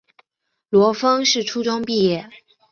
罗烽是初中毕业。